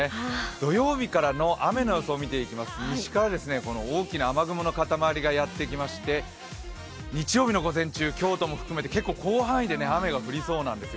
土曜日からの雨の予想を見ていきますと西から大きな雨雲の塊がやってきまして日曜日の午前中、京都も含めて結構広範囲で雨が降りそうなんですよ。